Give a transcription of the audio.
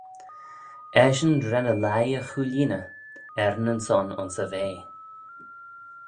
Eshyn ren y leigh y cooilleeney er-nyn-son ayns e vea.